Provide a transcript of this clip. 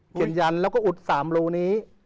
เขียนยันแล้วก็อุด๓รูนี้